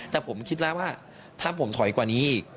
แต่ผมคิดแล้วว่าถ้าผมถอยกว่านี้อีก